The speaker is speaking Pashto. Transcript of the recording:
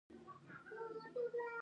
ایا زه باید کینو وخورم؟